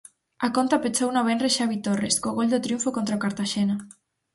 A conta pechouna o venres Xavi Torres, co gol do triunfo contra o Cartaxena.